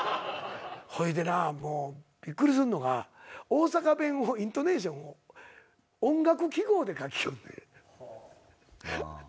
ほいでなもうびっくりすんのが大阪弁をイントネーションを音楽記号で書きよんねん。